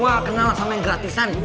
wah kenal sama yang gratisan